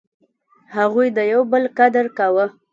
هغوی د یو بل قدر کاوه.